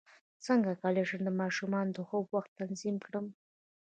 څنګه کولی شم د ماشومانو د خوب وخت تنظیم کړم